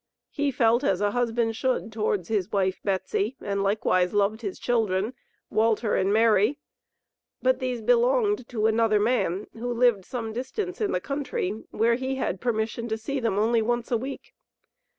He felt as a husband should towards his "wife Betsy," and likewise loved his "children, Walter and Mary;" but these belonged to another man, who lived some distance in the country, where he had permission to see them only once a week.